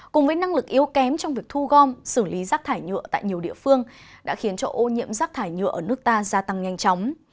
cùng với năng lực yếu kém trong việc thu gom xử lý rác thải nhựa tại nhiều địa phương đã khiến cho ô nhiễm rác thải nhựa ở nước ta gia tăng nhanh chóng